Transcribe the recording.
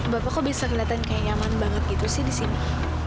bapak kok bisa kelihatan kayak nyaman banget gitu sih disini